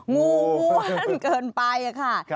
งูม้วนเกินไปค่ะ